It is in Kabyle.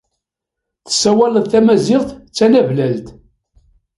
Tessawaled tamaziɣt d tanablalt.